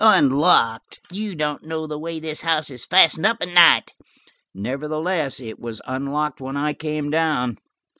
Unlocked! You don't know the way this house is fastened up at night." Nevertheless, it was unlocked when I came down."